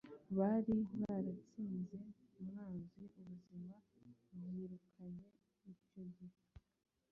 Bari baratsinze umwanzi ubuzima bwirukanye icyo gihe